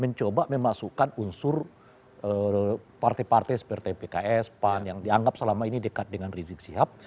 mencoba memasukkan unsur partai partai seperti pks pan yang dianggap selama ini dekat dengan rizik sihab